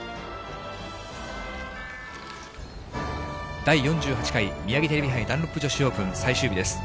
第４８回ミヤギテレビ杯ダンロップ女子オープン最終日です。